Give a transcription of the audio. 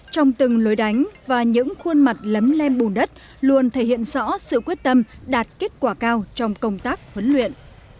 trong từng lối đánh và những khuôn mặt lấm lem bùn đất luôn thể hiện rõ sự quyết tâm đạt kết quả cao trong công tác huấn luyện